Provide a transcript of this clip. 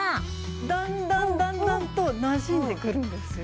だんだんだんだんとなじんでくるんですよ。